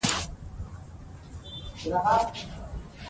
مېلې د خلکو تر منځ د سیالۍ او همکارۍ توازن رامنځ ته کوي.